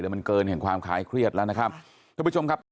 เดี๋ยวมันเกินเห็นความขายเครียดแล้วนะครับ